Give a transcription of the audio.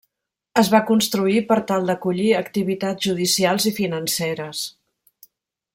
Es va construir per tal d'acollir activitats judicials i financeres.